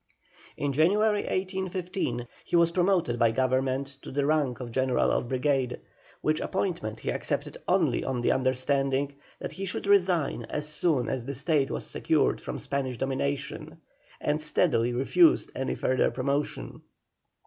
In January, 1815, he was promoted by Government to the rank of General of Brigade, which appointment he accepted only on the understanding that he should resign it as soon as the State was secured from Spanish domination, and steadily refused any further promotion.